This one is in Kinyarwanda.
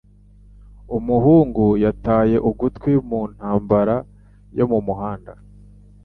Umuhungu yataye ugutwi mu ntambara yo mu muhanda